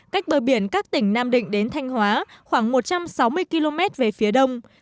cách bờ biển các tỉnh nam định đến thanh hóa khoảng một trăm sáu mươi km về phía đông